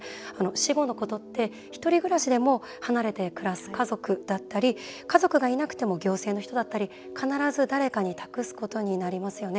死後のことってひとり暮らしでも離れて暮らす家族だったり家族がいなくても行政の人だったり必ず誰かに託すことになりますよね。